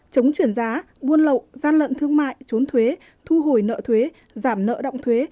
chống chuyển giá buôn lậu gian lận thương mại trốn thuế thu hồi nợ thuế giảm nợ động thuế